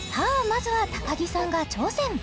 まずは高木さんが挑戦